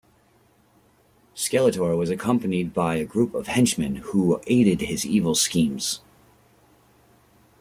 Skeletor was accompanied by a group of henchmen who aided his evil schemes.